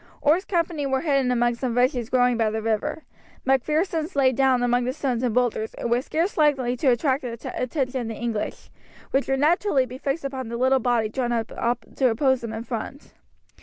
Orr's company were hidden among some bushes growing by the river. Macpherson's lay down among the stones and boulders, and were scarce likely to attract the attention of the English, which would naturally be fixed upon the little body drawn up to oppose them in front.